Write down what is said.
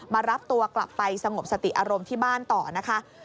มารับตัวกลับไปสงบสติอารมณ์ที่บ้านต่อนะคะ